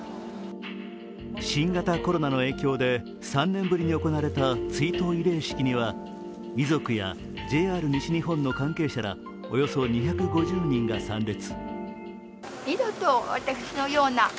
新型コロナの影響で３年ぶりに行われた追悼慰霊式には遺族やＪＲ西日本の関係者らおよそ２５０人が参列。